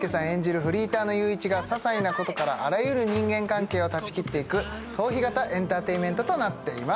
フリーターがささいなことからあらゆる人間関係を断ち切っていく逃避型エンターテインメントとなっています。